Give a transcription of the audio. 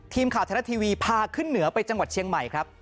ทีมข่าวไทยรัฐทีวีพาขึ้นเหนือไปจังหวัดเชียงใหม่ครับ